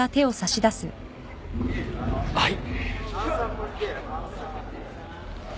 はい。